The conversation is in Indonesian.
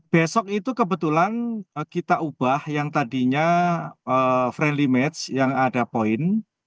besok itu kebetulan kita ubah yang tadinya friendly match yang ada poin